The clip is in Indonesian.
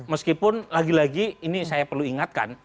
meskipun lagi lagi ini saya perlu ingatkan